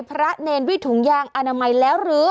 พระเนรด้วยถุงยางอนามัยแล้วหรือ